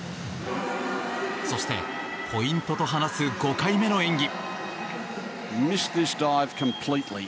そしてポイントと話す５回目の演技。